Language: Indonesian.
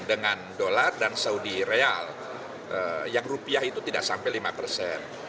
dengan dolar dan saudi real yang rupiah itu tidak sampai lima persen